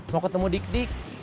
mau ketemu dik dik